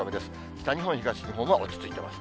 北日本、東日本は落ち着いています。